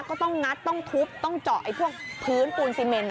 ก็ต้องงัดต้องทุบต้องเจาะไอ้พวกพื้นปูนซีเมน